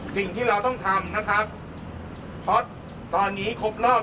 สิ่งที่เราต้องทำนะครับเพราะตอนนี้ครบรอบ